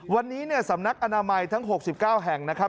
วันนี้เนี่ยสำนักอนามัยทั้ง๖๙แห่งนะครับ